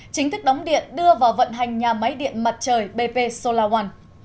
chính thức đóng điện đưa vào vận hành nhà máy điện mặt trời bp solar one